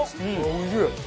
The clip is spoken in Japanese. おいしい！